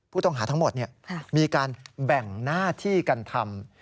ผู้ต้องหาทั้งหมดมีการแบ่งหน้าที่กันทำ